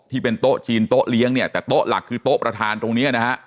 ที่เป็นโต๊ะจีนโต๊ะเลี้ยงเนี่ยแต่โต๊ะหลักคือโต๊ะประธานตรงเนี้ยนะฮะ